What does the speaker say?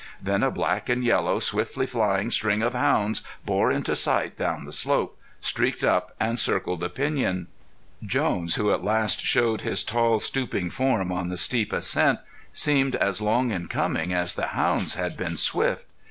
Then a black and yellow, swiftly flying string of hounds bore into sight down the slope, streaked up and circled the piñon. Jones, who at last showed his tall stooping form on the steep ascent, seemed as long in coming as the hounds had been swift.